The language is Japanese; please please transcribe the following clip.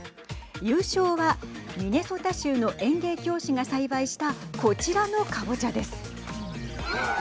優勝はミネソタ州の園芸教師が栽培したこちらのかぼちゃです。